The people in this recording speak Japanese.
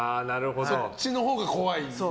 そっちのほうが怖いんですね。